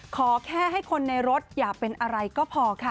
ขอแค่ให้คนในรถอย่าเป็นอะไรก็พอค่ะ